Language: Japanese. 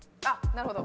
なるほど。